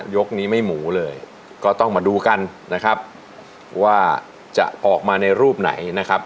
ยกนี้ไม่หมูเลยก็ต้องมาดูกันนะครับว่าจะออกมาในรูปไหนนะครับ